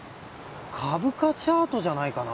株価チャートじゃないかな？